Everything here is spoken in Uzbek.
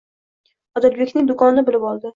Odilbekning do'konini bilib oldi.